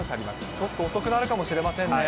ちょっと遅くなるかもしれませんね。